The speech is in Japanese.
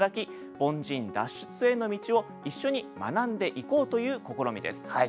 凡人脱出への道を一緒に学んでいこうという試みです。